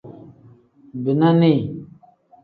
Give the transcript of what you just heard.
Bina nii.